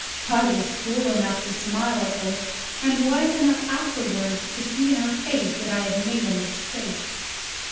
I was fool enough to smile at this, and wise enough afterwards to see in her face that I had made a mistake.